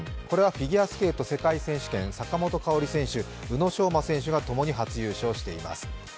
これはフィギュアスケート世界選手権、坂本花織選手宇野昌磨選手が共に初優勝しています。